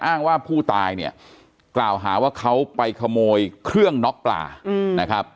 อ้างว่าผู้ตายเนี่ยกล่าวหาว่าเขาไปขโมยเครื่องน็อกปลานะครับ